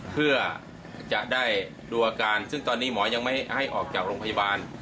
เพื่อจะได้ดูอาการซึ่งตอนนี้หมอยังไม่ให้ออกจากโรงพยาบาล